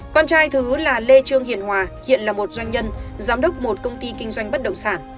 con trai thứ là lê trương hiền hòa hiện là một doanh nhân giám đốc một công ty kinh doanh bất động sản